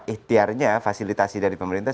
ikhtiarnya fasilitasi dari pemerintah